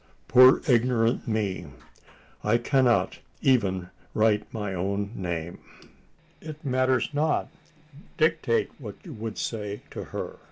poor ignorant me: I cannot even write my own name!" "It matters not: dictate what you would say to her.